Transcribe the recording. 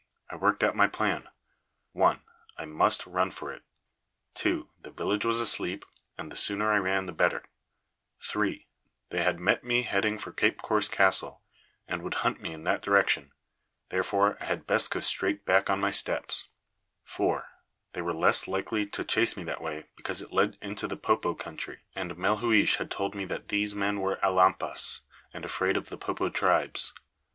I worked out my plan: (1) I must run for it; (2) the village was asleep, and the sooner I ran the better; (3) they had met me heading for Cape Corse Castle, and would hunt me in that direction therefore I had best go straight back on my steps; (4) they were less likely to chase me that way because it led into the Popo country, and Melhuish had told me that these men were Alampas, and afraid of the Popo tribes.